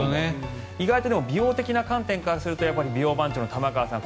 意外と美容的な観点からすると美容番長の玉川さん